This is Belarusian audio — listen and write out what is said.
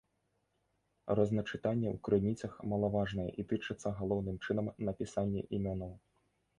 Розначытанні ў крыніцах малаважныя і тычацца галоўным чынам напісанні імёнаў.